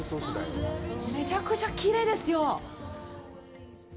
めちゃくちゃきれいですよ。